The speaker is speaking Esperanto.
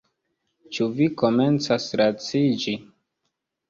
Ĉu vi komencas laciĝi?